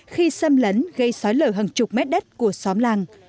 khi xâm lấn gây sói lở hàng chục mét đất của xóm làng